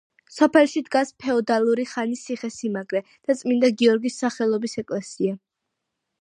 სოფელში დგას ფეოდალური ხანის ციხესიმაგრე და წმინდა გიორგის სახელობის ეკლესია.